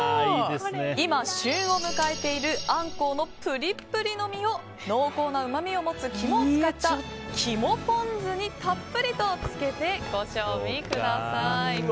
今旬を迎えているアンコウのプリプリの身を濃厚なうまみを持つ肝を使った肝ポン酢にたっぷりとつけてご賞味ください。